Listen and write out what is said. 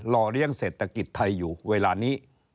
เลี้ยงเศรษฐกิจไทยอยู่เวลานี้